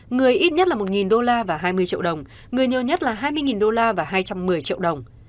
người ít nhất là một đô la và hai mươi triệu đồng người nhiều nhất là hai mươi đô la và hai trăm một mươi triệu đồng